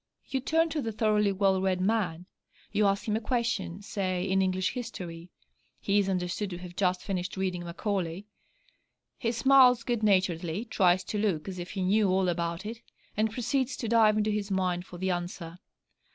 You turn to the thoroughly well read man. You ask him a question, say, in English history (he is understood to have just finished reading Macaulay). He smiles good naturedly, tries to look as if he knew all about it, and proceeds to dive into his mind for the answer.